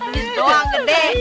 pak rt doang gede